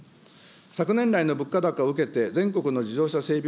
昨年来の物価高を受けて、全国の自動車整備